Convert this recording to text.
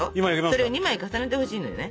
それを２枚重ねてほしいのよね。